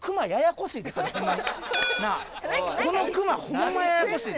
このクマホンマややこしい。